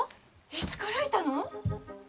いつからいたの？